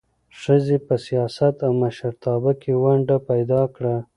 ښځې په سیاست او مشرتابه کې ونډه پیدا کړه.